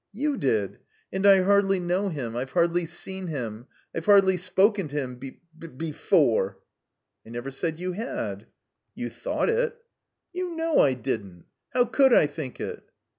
"You did. And I hardly know him. I've hardly seen him. I've hardly spoken to him be — ^be — before." "I never said you had." "You thought it." "You know I didn't. How could I think it?"